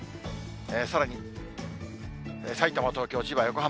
さらに、さいたま、東京、千葉、横浜。